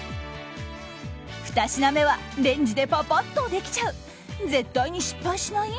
２品目はレンジでパパッとできちゃう絶対に失敗しない？